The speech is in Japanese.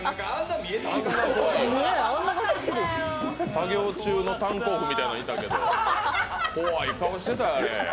作業中の炭鉱夫みたいなのがいたけど、怖い顔してたよ、あれ。